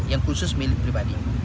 yang khusus milik pribadi